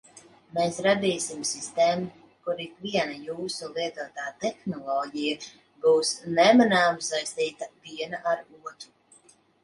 Mēs radīsim sistēmu, kur ikviena jūsu lietotā tehnoloģija būs nemanāmi saistīta viena ar otru.